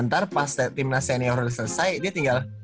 ntar pas timnas senior udah selesai dia tinggal